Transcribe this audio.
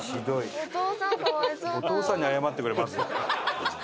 お父さんに謝ってくれまず。